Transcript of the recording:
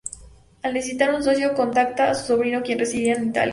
Al necesitar un socio, contacta a su sobrino quien residía en Italia.